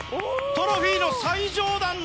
トロフィーの最上段の。